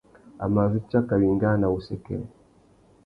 A mà zu tsaka wingāna wussêkêrê.